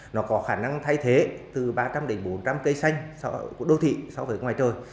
nó có khả năng thay thế từ ba trăm linh đến bốn trăm linh cây xanh của đô thị so với ngoài trời